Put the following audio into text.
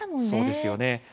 そうですね。